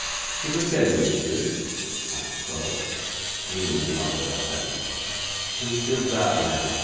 'To the Kenwigses?' asked Crowl. Newman nodded assent. 'Think of that now!